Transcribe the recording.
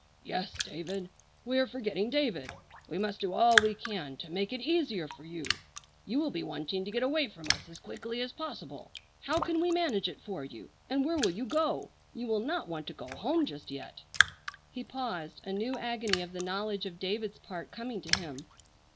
"Yes, David! We are forgetting David! We must do all we can to make it easier for you. You will be wanting to get away from us as quickly as possible. How can we manage it for you? And where will you go? You will not want to go home just yet?" He paused, a new agony of the knowledge of David's part coming to him.